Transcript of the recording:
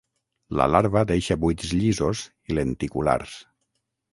La larva deixa buits llisos i lenticulars.